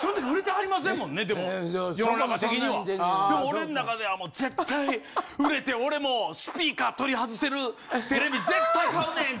でも俺ん中では絶対売れて俺もスピーカー取り外せるテレビ絶対買うねん！